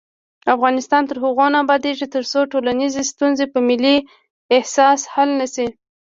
افغانستان تر هغو نه ابادیږي، ترڅو ټولنیزې ستونزې په ملي احساس حل نشي.